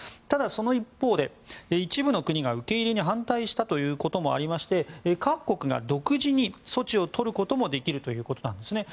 ただ、その一方で一部の国が受け入れに反対したこともありまして各国が独自に措置をとることもできるということです。